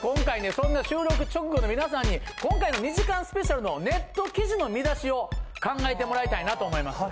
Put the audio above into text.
そんな収録直後の皆さんに今回の２時間ＳＰのネット記事の見出しを考えてもらいたいなと思います。